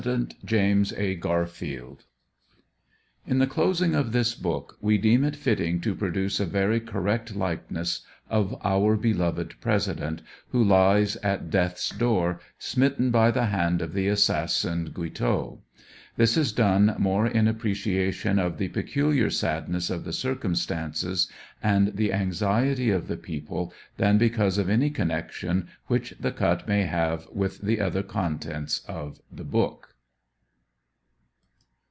\^^;; JAS. A. GARFIELD In the closing of this book, we deem it fitting to produce a very correct likeness of our beloved President, who lies at death's door, smitten by the hand of the assassin Gui teau. This is done more in appreciation of the peculiar sadness of the circumstances and the anxiety of the people, than because of any connection which the cut may have with the other contents of the book.